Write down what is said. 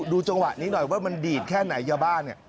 ดูจังหวะนี้หน่อยว่ามันดีดแค่ไหนยาบ้าเนี่ย